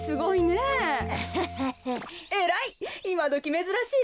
えらい！